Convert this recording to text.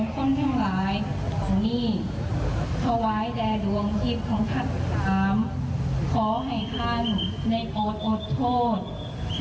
ขอให้ท่านได้อดอดโทษ